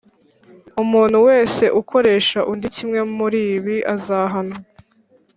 Umuntu wese ukoresha undi kimwe muribi azahanwa